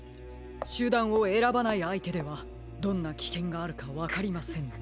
しゅだんをえらばないあいてではどんなきけんがあるかわかりませんね。